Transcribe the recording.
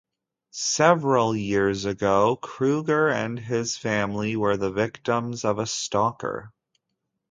Several years ago, Krueger and his family were the victims of a stalker.